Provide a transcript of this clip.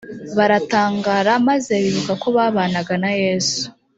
baratangara maze bibuka ko babanaga na yesu